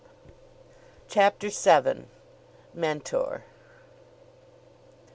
CHAPTER VII. MENTOR.